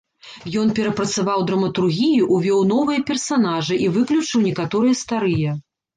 Ён перапрацаваў драматургію, увёў новыя персанажы і выключыў некаторыя старыя.